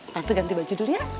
nanti ganti baju dulu ya